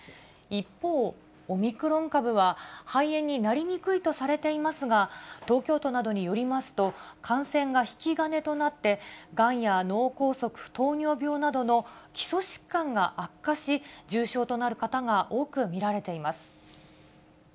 一方、オミクロン株は、肺炎になりにくいとされていますが、東京都などによりますと、感染が引き金となって、がんや脳梗塞、糖尿病などの基礎疾患が悪化し、重症となる方が多く見られています。